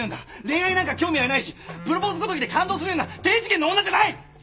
恋愛なんか興味はないしプロポーズごときで感動するような低次元の女じゃない！